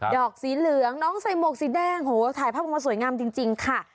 อกสีเหลืองน้องใส่หมวกสีแดงโหถ่ายภาพออกมาสวยงามจริงค่ะ